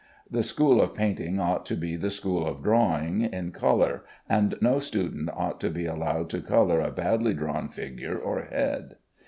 The school of painting ought to be the school of drawing in color, and no student ought to be allowed to color a badly drawn figure or head.